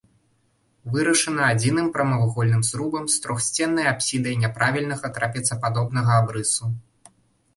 Вырашана адзіным прамавугольным зрубам з трохсценнай апсідай няправільнага трапецападобнага абрысу.